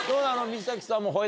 水咲さんも。